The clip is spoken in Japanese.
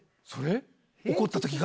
怒った時が？